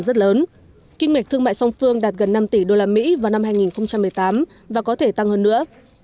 rất lớn kinh mệch thương mại song phương đạt gần năm tỷ usd vào năm hai nghìn một mươi tám và có thể tăng hơn nữa